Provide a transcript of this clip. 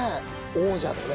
王者だね。